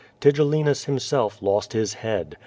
Tigellinus himself lost his head.